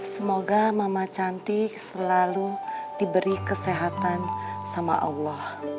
semoga mama cantik selalu diberi kesehatan sama allah